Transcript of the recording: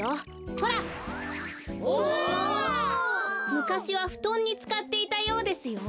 むかしはふとんにつかっていたようですよ。